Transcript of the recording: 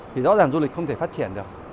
thì rõ ràng du lịch không thể phát triển được